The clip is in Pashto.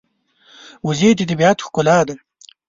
وزې د طبیعت ښکلا ده